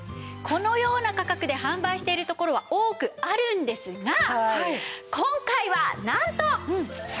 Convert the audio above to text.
このような価格で販売しているところは多くあるんですが今回はなんと。